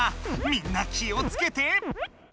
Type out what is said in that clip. みんな気をつけて！